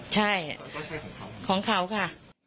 ใช่ของเขาค่ะ